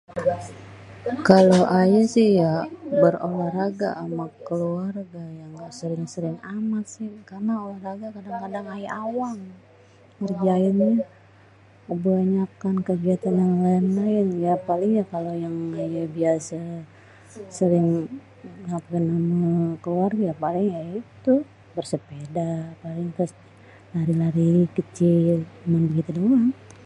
kalo ayè sih ya berolahraga ama keluarga ya ngga sering-sering amat sih.. karena olahraga kadang-kadang ayè awam ngerjainnya.. kebanyakan kegiatan yang laèn-laèn.. ya paling ya yang kalo ayè biasè sering apa barèng keluarga paling ya itu bersepeda, terus lari-lari kecil, cuman begitu doang..